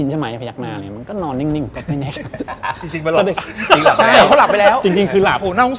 จริงคือหลับ